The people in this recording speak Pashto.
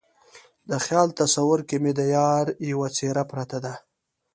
د خیال تصویر کې مې د یار یوه څیره پرته ده